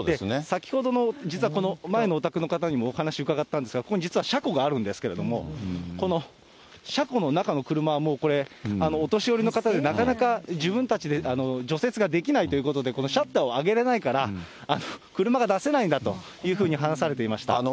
先ほどの実はこの前のお宅の方にもお話伺ったんですが、ここに実は車庫があるんですけれども、この車庫の中の車、もうこれお年寄りの方で、なかなか自分たちで除雪ができないということで、このシャッターを上げれないから車が出せないんだというふうに話されていました。